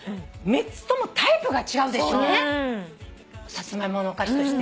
サツマイモのお菓子として。